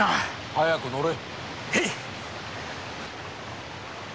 早く乗れ。